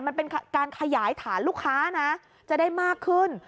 มันเป็นการขยายฐานลูกค้านะจะได้มากขึ้น